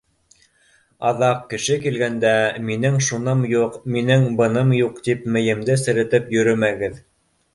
Аҙаҡ, кеше килгәндә, минең шуным юҡ, минең быным юҡ, тип мейемде серетеп йөрөмәгеҙ.